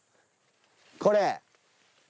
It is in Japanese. これ！